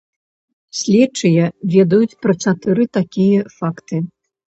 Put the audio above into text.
Следчыя ведаюць пра чатыры такія факты.